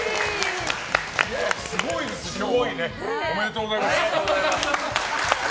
すごいね。おめでとうございます。